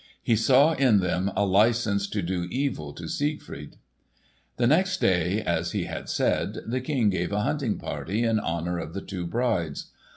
He saw in them a licence to do evil to Siegfried. The next day, as he had said, the King gave a hunting party in honour of the two brides.